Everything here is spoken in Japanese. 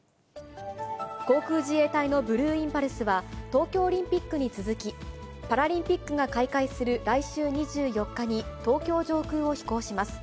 航空自衛隊のブルーインパルスは、東京オリンピックに続き、パラリンピックが開会する来週２４日に、東京上空を飛行します。